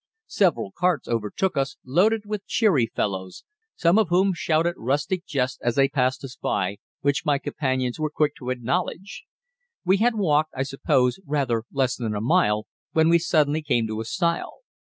Several carts overtook us, loaded with cheery fellows; some of whom shouted rustic jests as they passed us by, which my companions were quick to acknowledge. We had walked, I suppose, rather less than a mile, when we suddenly came to a stile.